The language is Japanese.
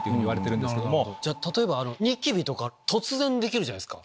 例えばニキビとか突然できるじゃないですか。